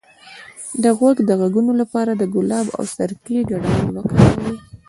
د غوږ د غږونو لپاره د ګلاب او سرکې ګډول وکاروئ